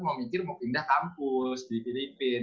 mau mikir mau pindah kampus di filipina